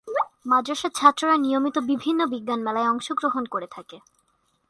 মাদ্রাসার ছাত্ররা নিয়মিত বিভিন্ন বিজ্ঞান মেলায় অংশগ্রহণ করে থাকে।